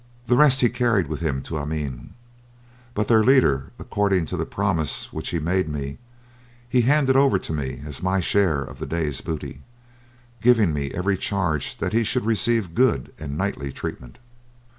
The rest he carried with him to Amiens; but their leader, according to the promise which he made me, he handed over to me as my share of the day's booty, giving me every charge that he should receive good and knightly treatment.